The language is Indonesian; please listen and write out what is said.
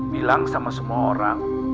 bilang sama semua orang